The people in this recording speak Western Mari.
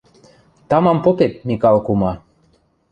— Тамам попет, Микал кума...